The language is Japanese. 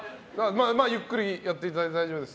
ゆっくりやっていただいて大丈夫です。